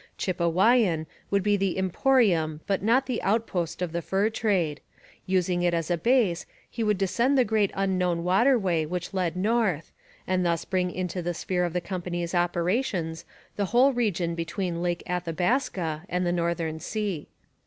Chipewyan should be the emporium but not the outpost of the fur trade; using it as a base, he would descend the great unknown waterway which led north, and thus bring into the sphere of the company's operations the whole region between Lake Athabaska and the northern sea.